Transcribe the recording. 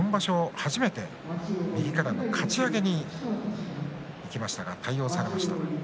昨日は翠富士相手に今場所初めて右からのかち上げにいきましたが、対応されました。